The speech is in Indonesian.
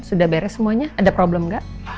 sudah beres semuanya ada problem nggak